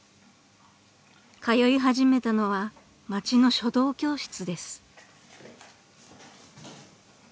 ［通い始めたのは町の書道教室です］